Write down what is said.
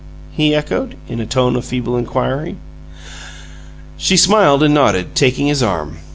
he echoed, in a tone of feeble inquiry. She smiled and nodded, taking his arm.